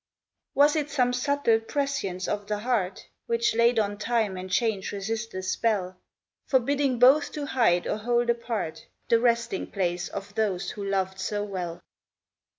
Was it some subtle prescience of the heart, Which laid on time and change resistless spell, Forbidding both to hide or hold apart The resting place of those who loved so well